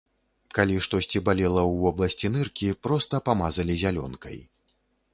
Калі штосьці балела ў вобласці ныркі, проста памазалі зялёнкай.